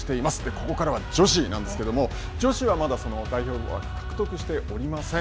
ここからは女子なんですけれども、女子は、まだ代表枠、獲得しておりません。